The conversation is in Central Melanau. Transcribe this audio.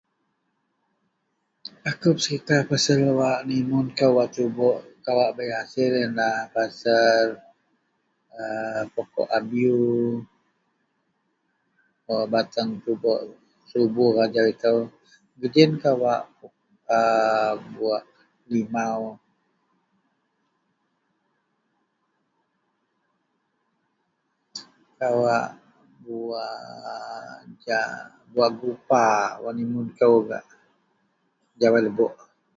akou peserita pasal wak nimun kou wak tubuk kawak bei hasil ienlah pasal aa pokok abiew, wak bateng tubuk subur ajau itou gejien ien kawak aa buwak limau kawak buwakkk gak buwak gupa wak nimun kou gak jawai lebok